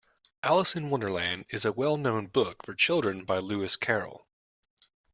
Alice in Wonderland is a well-known book for children by Lewis Carroll